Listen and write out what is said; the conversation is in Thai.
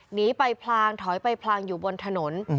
หนีไปพลางถอยไปพลางอยู่บนถนน